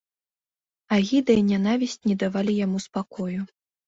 Агіда і нянавісць не давалі яму спакою.